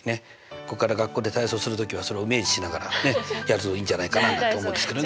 ここから学校で体操する時はそれをイメージしながらねやるといいんじゃないかななんて思うんですけどね。